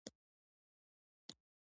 د خدای یاد د بنده افتخار دی.